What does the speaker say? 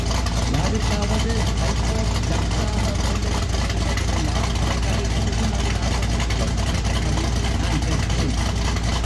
யாருக்காவது ஹைகோர்ட்டு ஜட்ஜாக வேண்டுமென்று விருப்பமிருந்தால், அவர்களை சுகுண விலாச சபையைச் சேரும்படி நான் கேட்பேன்.